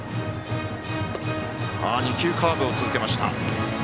２球、カーブを続けました。